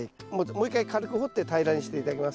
もう一回軽く掘って平らにして頂きます。